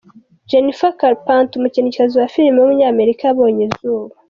Jennifer Carpenter, umukinnyikazi wa filime w’umunyamerika yabonye izuba.